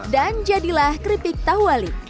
dan jadilah keripik tahu wali